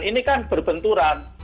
ini kan berbenturan